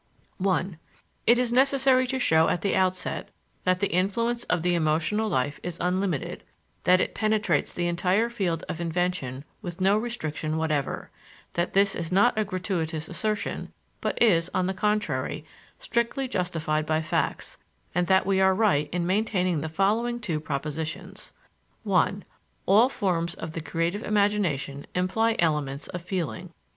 I It is necessary to show at the outset that the influence of the emotional life is unlimited, that it penetrates the entire field of invention with no restriction whatever; that this is not a gratuitous assertion, but is, on the contrary, strictly justified by facts, and that we are right in maintaining the following two propositions: 1. _All forms of the creative imagination imply elements of feeling.